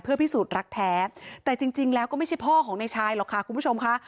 พิสูจน์รักแท้แต่จริงแล้วก็ไม่ใช่พ่อของในชายหรอกค่ะคุณผู้ชมค่ะ